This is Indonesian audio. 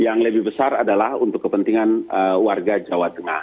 yang lebih besar adalah untuk kepentingan warga jawa tengah